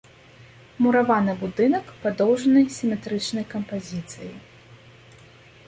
Мураваны будынак падоўжанай сіметрычнай кампазіцыі.